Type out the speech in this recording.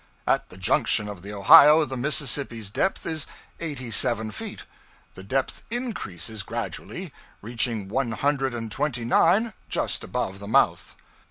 At the junction of the Ohio the Mississippi's depth is eighty seven feet; the depth increases gradually, reaching one hundred and twenty nine just above the mouth.